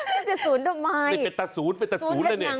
มันจะ๐ทำไมเป็นตัวสวนเป็นตัวสวน